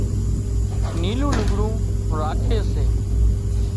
نيلُون لگھڙون راکي سي